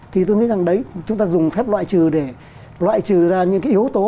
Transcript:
thì tôi nghĩ rằng đấy chúng ta dùng phép loại trừ để loại trừ ra những cái yếu tố